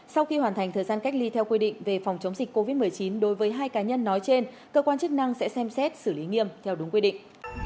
sau khi hoàn thành thời gian cách ly theo quy định về phòng chống dịch covid một mươi chín đối với hai cá nhân nói trên cơ quan chức năng sẽ xem xét xử lý nghiêm theo đúng quy định